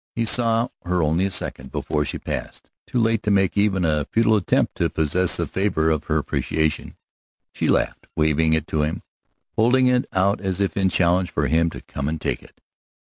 He saw her only a second before she passed, too late to make even a futile attempt to possess the favor of her appreciation. She laughed, waving it to him, holding it out as if in challenge for him to come and take it.